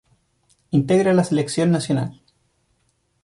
Integra la Selección nacional.